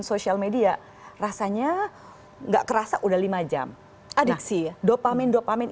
social media rasanya nggak kerasa udah lima jam adiksi dopamine dopamine